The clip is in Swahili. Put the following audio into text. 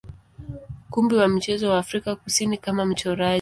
ukumbi wa michezo wa Afrika Kusini kama mchoraji.